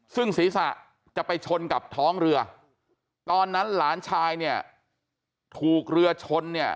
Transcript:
ซึ่งศีรษะจะไปชนกับท้องเรือตอนนั้นหลานชายเนี่ยถูกเรือชนเนี่ย